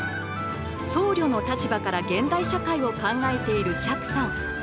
僧侶の立場から現代社会を考えている釈さん。